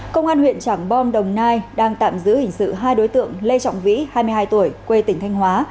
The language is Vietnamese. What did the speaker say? công an huyện trảng bom đồng nai đang tạm giữ hình sự hai đối tượng lê trọng vĩ hai mươi hai tuổi quê tỉnh thanh hóa